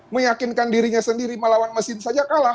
meyakinkan dirinya sendiri melawan mesin saja kalah